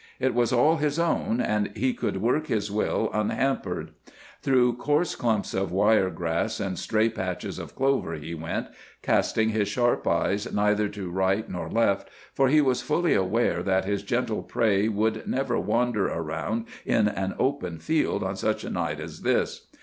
It was all his own, and he could work his will unhampered. Through coarse clumps of wire grass and stray patches of clover he went, casting his sharp eyes neither to right nor left, for he was fully aware that his gentle prey would never wander around in an open field on such a night as this.